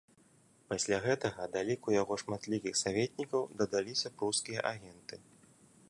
Пасля гэтага да ліку яго шматлікіх саветнікаў дадаліся прускія агенты.